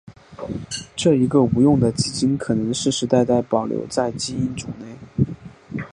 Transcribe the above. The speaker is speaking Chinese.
这一个无用的基因可能世世代代保留在基因组内。